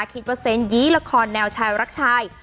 คิดว่าเซงส์ยี้ละครแนวชายรักชาย